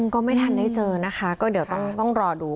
ก็ไม่ทันได้เจอนะคะก็เดี๋ยวต้องรอดู